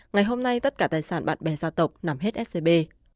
ngày hôm nay tất cả tài sản bạn bè gia tộc nằm hết scb